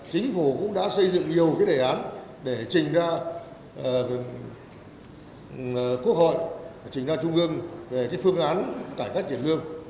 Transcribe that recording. chính phủ cũng đã xây dựng nhiều đề án để trình ra quốc hội trình ra trung ương về phương án cải cách tiền lương